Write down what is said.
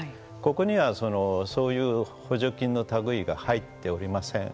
ここにはそういう補助金の類いが入っておりません。